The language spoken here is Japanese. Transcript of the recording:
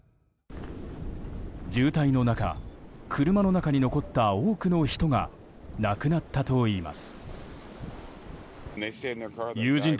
渋滞の中車の中に残った多くの人が亡くなったといいます。